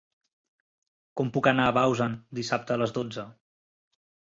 Com puc anar a Bausen dissabte a les dotze?